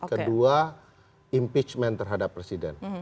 kedua impeachment terhadap presiden